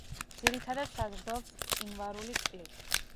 ძირითადად საზრდოობს მყინვარული წყლით.